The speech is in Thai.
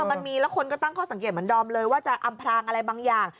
มันมีแล้วคนก็ตั้งข้อสังเกตเหมือนดอมเลยว่าจะอำพรางอะไรบางอย่าง